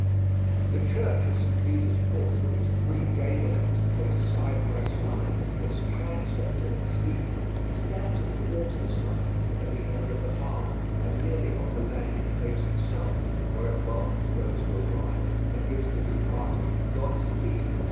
The church of St. Peter's Port, with its three gable ends placed side by side, its transept and its steeple, stands at the water's side at the end of the harbour, and nearly on the landing place itself, where it welcomes those who arrive, and gives the departing "God speed."